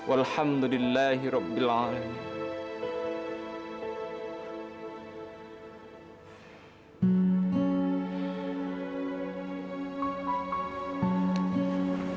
alhamdulillah ya allah yang terbaik